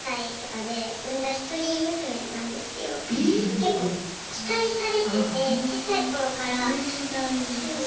結構期待されてて小さい頃から。